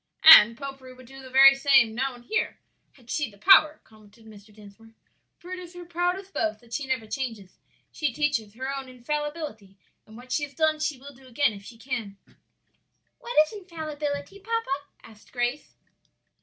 "And popery would do the very same now and here, had she the power," commented Mr. Dinsmore, "for it is her proudest boast that she never changes. She teaches her own infallibility; and what she has done she will do again if she can." "What is infallibility, papa?" asked Grace.